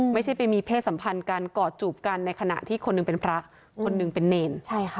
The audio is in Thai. ไม่ใช่ไปมีเพศสัมพันธ์กันกอดจูบกันในขณะที่คนหนึ่งเป็นพระคนหนึ่งเป็นเนร